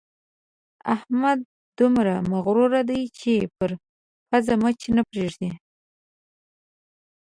احمد دومره مغروره دی چې پر پزه مچ نه پرېږدي.